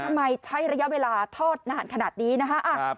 เพราะทำไมใช้ระยะเวลาทอดนานขนาดนี้นะครับ